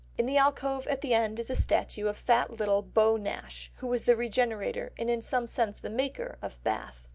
In the alcove at the end is a statue of fat little Beau Nash, who was the regenerator and in some sense the maker of Bath.